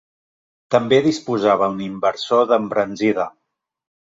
També disposava un inversor d'embranzida.